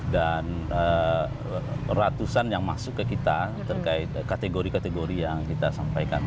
dan ratusan yang masuk ke kita terkait kategori kategori yang kita sampaikan